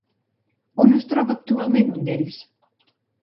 On es troba actualment un d'ells?